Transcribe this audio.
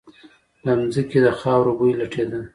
له ځمکې د خاورو بوی لټېده.